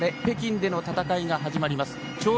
北京での戦いが始まります。